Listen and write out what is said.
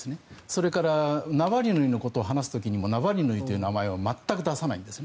それからナワリヌイのことを話す時もナワリヌイという名前を全く出さないんです。